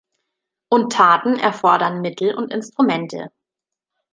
Und Taten erfordern Mittel und Instrumente.